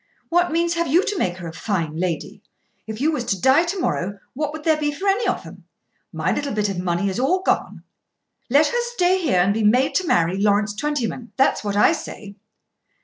What means have you to make her a fine lady? If you was to die to morrow what would there be for any of 'em? My little bit of money is all gone. Let her stay here and be made to marry Lawrence Twentyman. That's what I say."